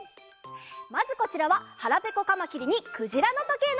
まずこちらは「はらぺこカマキリ」に「くじらのとけい」のえ！